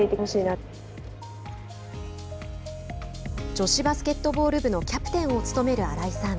女子バスケットボール部のキャプテンを務める荒井さん。